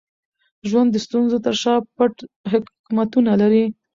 ژوند د ستونزو تر شا پټ حکمتونه لري.